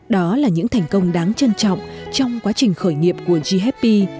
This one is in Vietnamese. đó là những thành công đáng trân trọng trong quá trình khởi nghiệp của g happy